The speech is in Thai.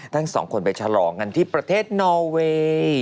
ทั้งสองคนไปฉลองกันที่ประเทศนอเวย์